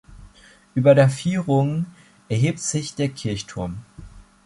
Über der Vierung erhebt sich der Kirchturm.